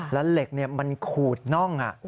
แล้วเหล็กมันขูดน่อง